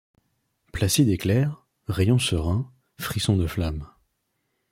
Placide éclair, rayon serein, frisson de flamme.